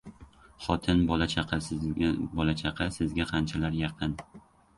• Xotin, bola-chaqa sizga qanchalar yaqin.